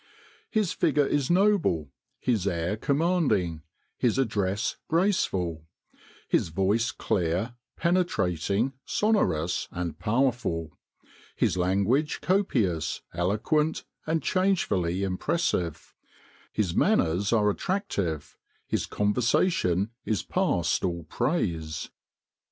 "His figure is noble, his air commanding, his address graceful; his voice clear, penetrating, sonorous, and powerful; his language copious, eloquent, and changefully impressive; his manners are attractive; his conversation is past all praise.